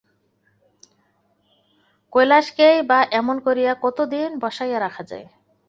কৈলাসকেই বা এমন করিয়া কতদিন বসাইয়া রাখা যায়!